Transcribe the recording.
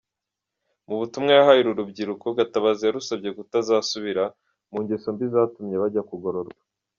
Mu butumwa yahaye uru rubyiruko, Gatabazi yarusabye kutazasubira mu ngeso mbi zatumye bajya kugororwa.